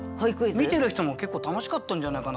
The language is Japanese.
見てる人も結構楽しかったんじゃないかなと思うんですよね。